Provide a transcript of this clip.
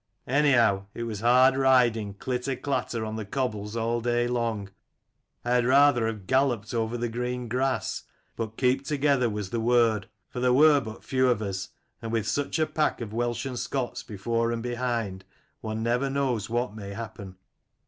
Anyhow it was hard riding clitter clatter on the cobbles all day long : I had rather have galloped over the green grass: but keep together was the word, for there were but few of us, and with such a pack of Welsh and Scots before and behind, one never knows what may happen.